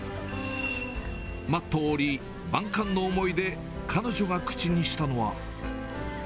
マットを降り、万感の思いで彼女が口にしたのは。